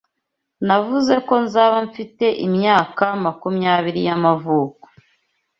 Navuze ko nzaba mfite imyaka makumyabiri y'amavuko.